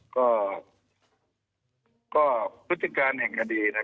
ก็ก็พฤติการแห่งอดีตนะครับ